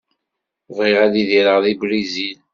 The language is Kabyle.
Bɣiɣ ad idireɣ deg Brizil.